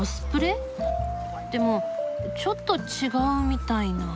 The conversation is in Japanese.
でもちょっと違うみたいな。